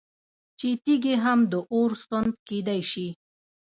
چې تيږي هم د اور سوند كېدى شي